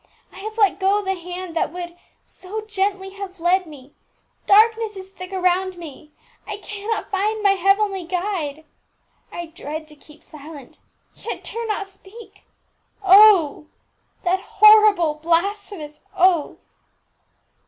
I have let go the Hand that would so gently have led me; darkness is thick around me; I cannot find my Heavenly Guide! I dread to keep silent, yet dare not speak. Oh, that horrible, blasphemous oath!"